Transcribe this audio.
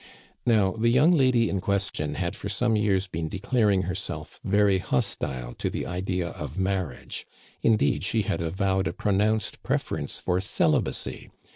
Now the young lady in question had for some years been declaring herself very hostile to the idea of mar riage ; indeed, she had avowed a pronounced preference for celibacy.